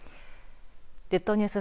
列島ニュース